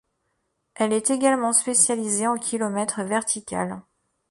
Elle est également spécialisée en kilomètre vertical.